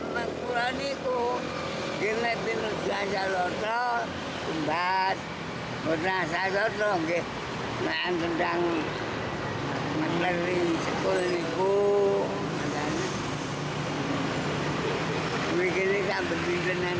mbah wakit berada di jalan ahmad yani